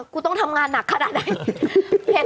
กูต้องทำงานหนักขนาดไหน